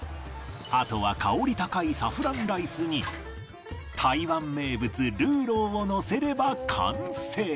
あとは香り高いサフランライスに台湾名物魯肉をのせれば完成